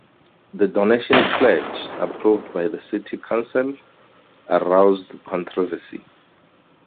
The donation pledge, approved by the City Council, aroused controversy.